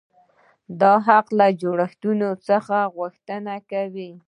دا حق له جوړښتونو څخه غوښتنه کوي.